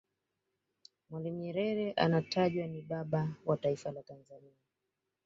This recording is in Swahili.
mwalimu nyerere anatajwa ni baba wa taifa la tanzania